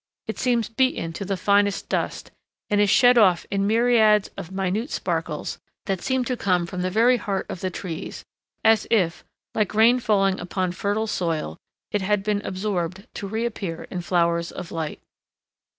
It seems beaten to the finest dust, and is shed off in myriads of minute sparkles that seem to come from the very heart of the trees, as if, like rain falling upon fertile soil, it had been absorbed, to reappear in flowers of light.